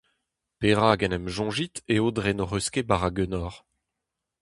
Perak en em soñjit eo dre n’hoc’h eus ket bara ganeoc’h ?